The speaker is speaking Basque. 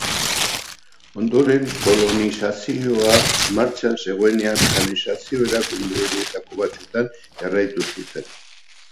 Ondoren, kolonizazioa martxan zegoenean administrazio-erakunde horietako batzuetan jarraitu zuten.